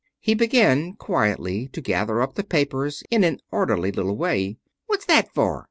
He began quietly to gather up the papers in an orderly little way. "What's that for?"